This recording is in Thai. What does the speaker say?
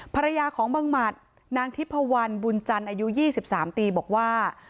ภรรยาของบังหมัดนางทิพวันบุญจันทร์อายุ๒๓ปีบอกว่า